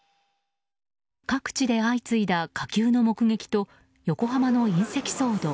各地で相次いだ火球の目撃と横浜の隕石騒動。